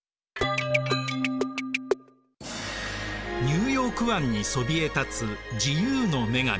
ニューヨーク湾にそびえ立つ自由の女神。